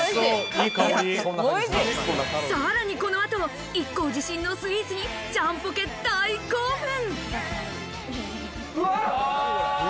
さらにこの後、ＩＫＫＯ自信のスイーツにジャンポケ大興奮！